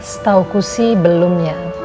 setauku sih belumnya